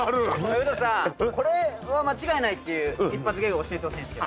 ウドさんこれは間違いないっていう一発ギャグ教えてほしいんすけど。